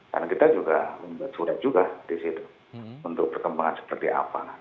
karena kita juga membuat surat juga disitu untuk perkembangan seperti apa